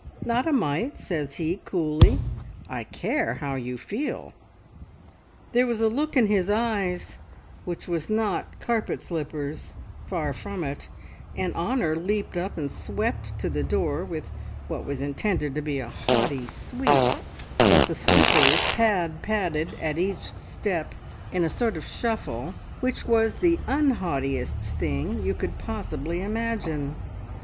"`Not a mite,' says he coolly. `I care how you feel!' "There was a look in his eyes which was not carpet slippers, far from it, and Honor leaped up and swept to the door with what was intended to be a haughty `sweep,' but the slippers pad padded at each step in a sort of shuffle, which was the unhaughtiest thing you could possibly imagine.